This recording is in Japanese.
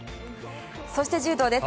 そして柔道です。